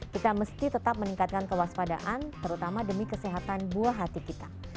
kita mesti tetap meningkatkan kewaspadaan terutama demi kesehatan buah hati kita